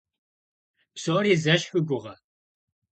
Псори зэщхь уи гугъэ?